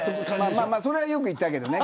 それは、よく言ったけどね。